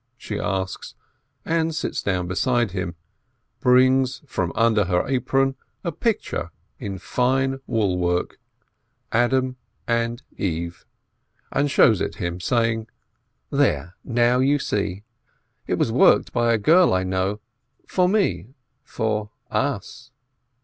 she asks, and sits down beside him, brings from under her apron a picture in fine woolwork, Adam and Eve, and shows it him, saying: "There, now you see! It was worked by a girl I know — for me, for us.